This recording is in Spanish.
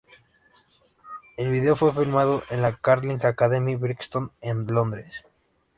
El vídeo fue filmado en la "Carling Academy Brixton" en Londres.